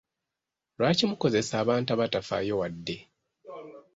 Lwaki mukozesa abantu abatafaayo wadde?